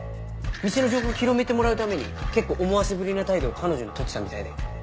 店の情報広めてもらうために結構思わせぶりな態度を彼女にとってたみたいで。